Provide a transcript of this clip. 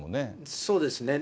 そうですね。